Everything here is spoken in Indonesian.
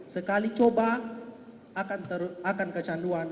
sekali coba akan kecanduan